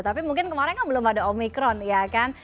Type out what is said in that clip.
tapi mungkin kemarin kan belum ada omikron ya kan